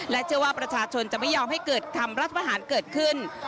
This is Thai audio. เชื่อว่าประชาชนจะไม่ยอมให้เกิดคำรัฐประหารเกิดขึ้น